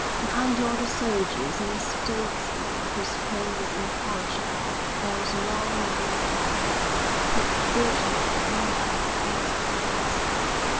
'Behind all the soldiers and the statesmen whose fame is imperishable there is a long line of men who've built up the empire piece by piece.